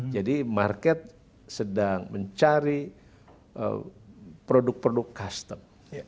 jadi market sedang mencari produk produk custom